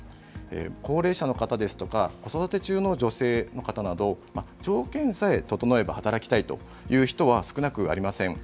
高齢者の方ですとか、子育て中の女性の方など、条件さえ整えば働きたいという人は少なくありません。